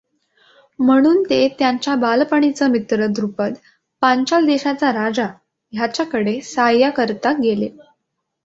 म्हणून ते त्यांचा बालपणीचा मित्र द्रुपद पांचाल देशाचा राजा ह्याच्याकडे साहाय्याकरिता गेले.